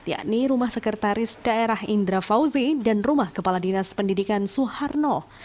yakni rumah sekretaris daerah indra fauzi dan rumah kepala dinas pendidikan suharno